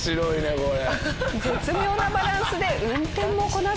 これ。